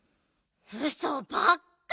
うそばっか！